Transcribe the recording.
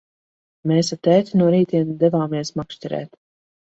Mēs ar tēti no rītiem devāmies makšķerēt.